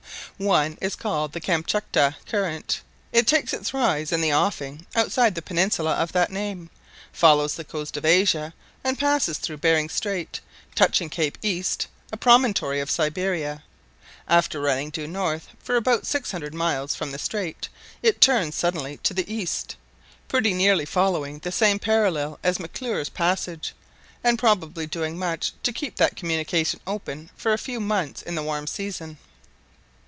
One is called the Kamtchatka Current. It takes its rise in the offing outside the peninsula of that name, follows the coast of Asia, and passes through Behring Strait, touching Cape East, a promontory of Siberia. After running due north for about six hundred miles from the strait, it turns suddenly to the east, pretty nearly following the same parallel as McClure's Passage, and probably doing much to keep that communication open for a few mouths in the warm season.